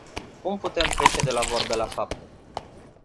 Cum putem trece de la vorbe la fapte?